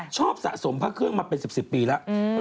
สะสมพระเครื่องมาเป็น๑๐ปีแล้ว